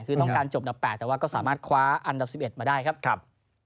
คือต้องการจบดับ๘แต่ว่าก็สามารถคว้าอันดับ๑๑มาได้ครับ